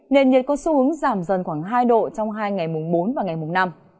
nền nhiệt có xu hướng giảm dần khoảng hai độ trong hai ngày mùng bốn và ngày mùng năm